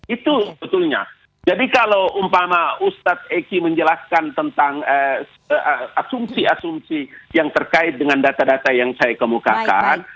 itu betulnya jadi kalau umpama ustadz eki menjelaskan tentang asumsi asumsi yang terkait dengan data data yang saya kemukakan